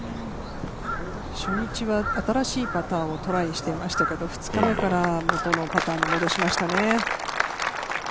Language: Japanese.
初日は新しいパターをトライしていましたけれども、２日目から元のパターに戻しましたね。